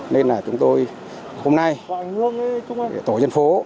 nên là chúng tôi hôm nay tổ dân phố